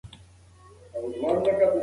پاک لمن اوسېدل د انسان اصلی ښکلا ده.